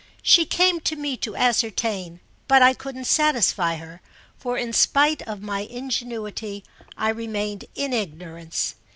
She came to me to ascertain, but I couldn't satisfy her, for in spite of my ingenuity I remained in ignorance.